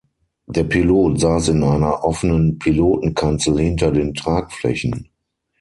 Der Pilot saß in einer offenen Pilotenkanzel hinter den Tragflächen.